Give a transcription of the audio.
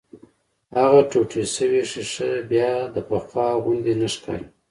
هغه ټوټې شوې ښيښه بيا د پخوا غوندې نه ښکاري.